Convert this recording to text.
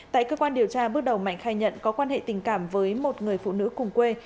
tại cơ quan điều tra bước đầu mạnh khai nhận có quan hệ tình cảm với một người phụ nữ cùng quê